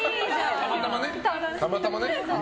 たまたまね。